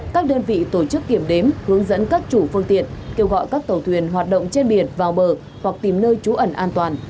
các đơn vị tổ chức kiểm đếm hướng dẫn các chủ phương tiện kêu gọi các tàu thuyền hoạt động trên biển vào bờ hoặc tìm nơi trú ẩn an toàn